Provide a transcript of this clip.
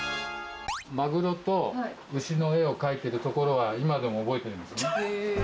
マグロと牛の絵を描いているところは今でも覚えてるんですね。